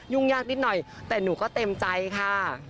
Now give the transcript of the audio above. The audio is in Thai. ยากนิดหน่อยแต่หนูก็เต็มใจค่ะ